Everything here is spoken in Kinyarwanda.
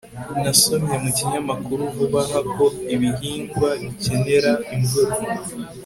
nasomye mu kinyamakuru vuba aha ko ibihingwa bikenera imvura